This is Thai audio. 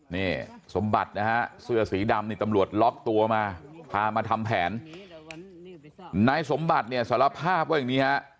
นี่สมบัตินะฮะเสื้อสีดำนี่ตำรวจล็อกตัวมาพามาทำแผนนายสมบัติเนี่ยสารภาพว่าอย่างนี้ฮะ